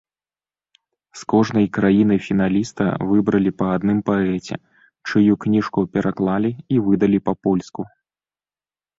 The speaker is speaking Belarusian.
З кожнай краіны-фіналіста выбралі па адным паэце, чыю кніжку пераклалі і выдалі па-польску.